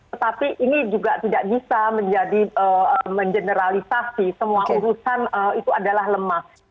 tetapi ini juga tidak bisa menjadi mengeneralisasi semua urusan itu adalah lemah